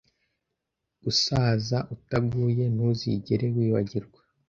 gusaza utaguye ntuzigere wibagirwa